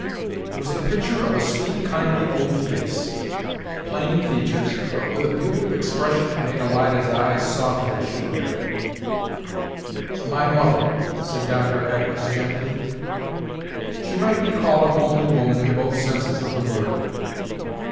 It was the picture of a sweet, kindly old face, plain in features, but with a beauty of expression that made Alida's eyes soften as she looked at it. "My mother," said Doctor Agnes, gently. "She might be called a homely woman in both senses of the word.